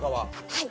はい。